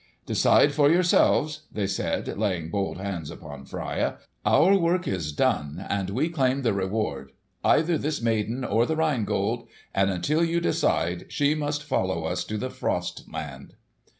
"Decide for yourselves," they said, laying bold hands upon Freia. "Our work is done and we claim the reward. Either this maiden or the Rhine Gold. And until you decide, she must follow us to the frost land."